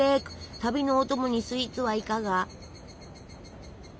旅のお供にスイーツはいかが？